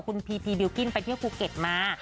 คุณพีทีบิลกิ้นไปเที่ยวภูเก็ตมา